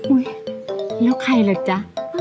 อุ๊ยแล้วใครล่ะจ๊ะ